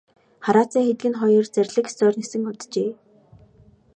Хараацай хэдгэнэ хоёр зарлиг ёсоор нисэн оджээ.